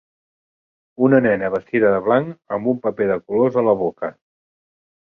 Una nena vestida de blanc amb un paper de colors a la boca.